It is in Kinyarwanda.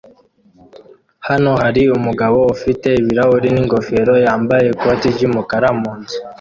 Hano hari umugabo ufite ibirahuri n'ingofero yambaye ikoti ry'umukara mu nzu